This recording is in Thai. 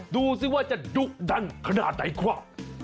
ดูสิว่าจะดุดันขนาดไหนครับ